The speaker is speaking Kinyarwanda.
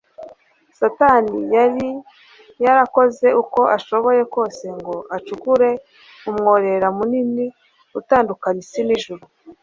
Satani yari yarakoze uko ashoboye kose ngo acukure umworera muruini utandukanya isi n'ijuru.